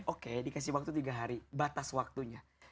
oke dikasih waktu tiga hari batas waktunya